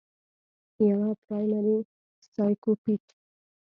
يوه پرائمري سايکوپېت